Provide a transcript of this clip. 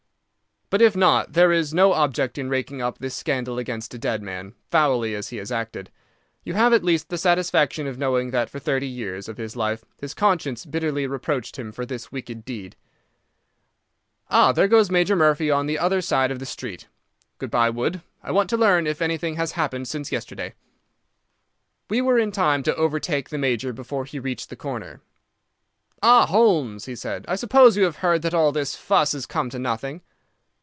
"But if not, there is no object in raking up this scandal against a dead man, foully as he has acted. You have at least the satisfaction of knowing that for thirty years of his life his conscience bitterly reproached him for this wicked deed. Ah, there goes Major Murphy on the other side of the street. Good by, Wood. I want to learn if anything has happened since yesterday." We were in time to overtake the major before he reached the corner. "Ah, Holmes," he said: "I suppose you have heard that all this fuss has come to nothing?"